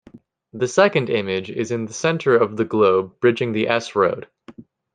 The second image is in the centre of the globe bridging the "S" road.